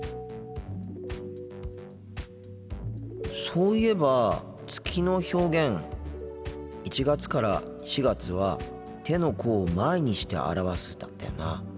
そういえば月の表現１月から４月は「手の甲を前にして表す」だったよな。